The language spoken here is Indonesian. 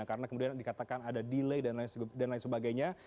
karena kemudian dikatakan ada delay dan lain sebagainya